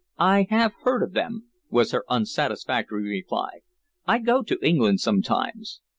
"I have heard of them," was her unsatisfactory reply. "I go to England sometimes.